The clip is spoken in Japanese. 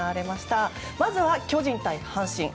まずは巨人対阪神。